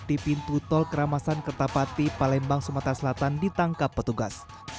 di pintu tol keramasan kertapati palembang sumatera selatan ditangkap petugas